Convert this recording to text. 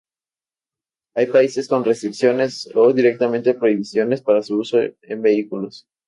Hay países con restricciones o directamente prohibiciones para su uso en vehículos.